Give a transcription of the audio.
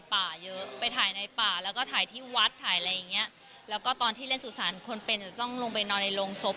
พวกที่เล่นศูบสารคนเป็นจะต้องลงไปนอนในโรงศพ